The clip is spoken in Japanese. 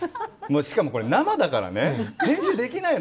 しかも生だからね。